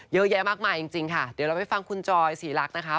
เยอะแยะมากมายจริงค่ะเดี๋ยวเราไปฟังคุณจอยศรีรักนะคะ